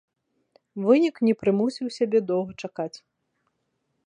Вынік не прымусіў сябе доўга чакаць.